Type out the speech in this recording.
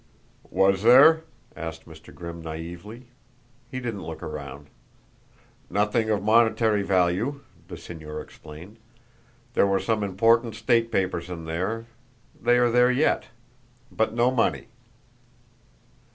"Was there?" asked Mr. Grimm naively. He didn't look around. "Nothing of monetary value," the señor explained. "There were some important state papers in there they are there yet but no money."